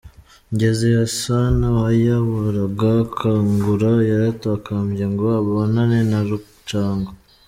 Ngeze Hassan wayoboraga Kangura yaratakambye ngo abonane na Rucagu.